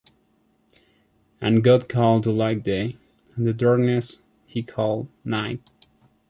And God called the light Day, and the darkness he called Night.